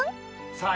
さあ